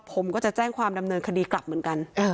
ผมก็จะแจ้งความดำเนินคดีกลับเหมือนกัน